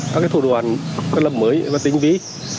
các thủ đoàn lập mới và tính ví